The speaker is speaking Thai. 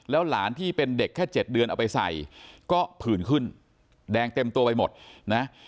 หลานที่เป็นเด็กแค่๗เดือนเอาไปใส่ก็ผื่นขึ้นแดงเต็มตัวไปหมดนะ